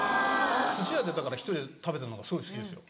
すし屋でだから１人で食べてるのすごい好きですよ。